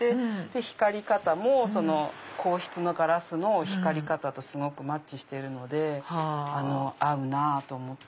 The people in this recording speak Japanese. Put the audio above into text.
光り方も硬質のガラスの光り方とすごくマッチしてるので合うなぁと思って。